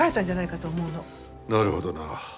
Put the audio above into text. なるほどな。